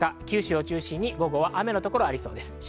九州を中心に午後は雨の所がありそうです。